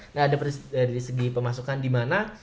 nah ada dari segi pemasukan dimana